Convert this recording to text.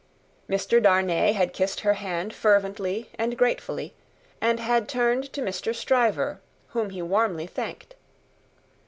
Mr. Darnay had kissed her hand fervently and gratefully, and had turned to Mr. Stryver, whom he warmly thanked.